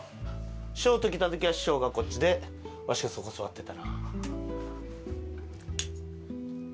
師匠と来た時は師匠がこっちでわしがそこ座ってたな。